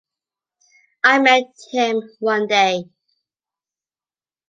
I met him one day.